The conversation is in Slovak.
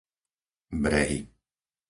Brehy